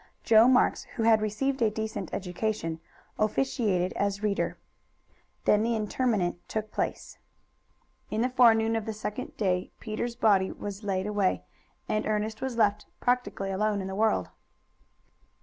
Joe Marks, who had received a decent education, officiated as reader. Then the interment took place. In the forenoon of the second day Peter's body was laid away, and Ernest was left practically alone in the world.